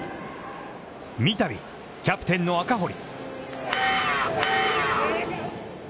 三度、キャプテンの赤堀。